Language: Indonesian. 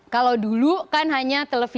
kalau dulu kan hanya televisi